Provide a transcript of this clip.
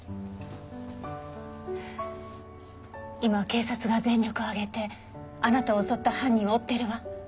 今警察が全力を挙げてあなたを襲った犯人を追っているわ。